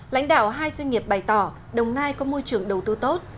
lãnh đạo hai doanh nghiệp bày tỏ đồng nai có môi trường đầu tư tốt